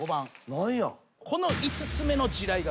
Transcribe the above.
何や？